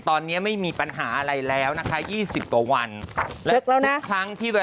ตอนนี้ไม่มีปัญหาอะไรแล้วนะคะ